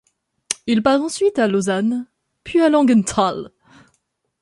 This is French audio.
Il part ensuite à Lausanne, puis à Langenthal.